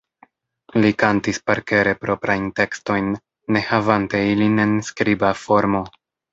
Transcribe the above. Li kantis parkere proprajn tekstojn, ne havante ilin en skriba formo.